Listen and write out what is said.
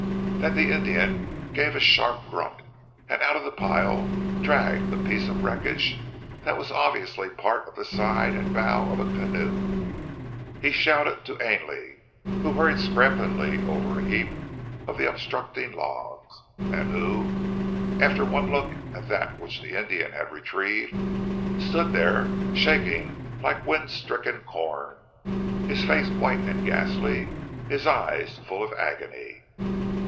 Then the Indian gave a sharp grunt, and out of the pile dragged a piece of wreckage that was obviously part of the side and bow of a canoe. He shouted to Ainley, who hurried scramblingly over a heap of the obstructing logs, and who, after one look at that which the Indian had retrieved, stood there shaking like wind stricken corn; his face white and ghastly, his eyes full of agony.